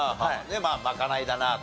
まあまかないだなと。